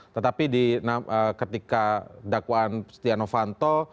tetapi ketika dakwaan stiano fanto